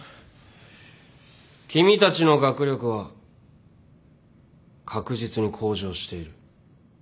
君たちの学力は確実に向上している。